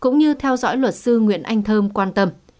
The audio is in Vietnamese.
cũng như theo dõi luật sư nguyễn anh thơm quan tâm